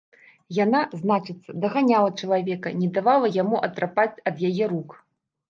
Яна, значыцца, даганяла чалавека, не давала яму атрапаць ад яе рук!